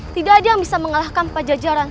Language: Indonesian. tidak ada yang bisa mengalahkan pak jajaran